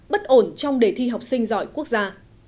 bất ổn trong đề thi học sinh giỏi quốc gia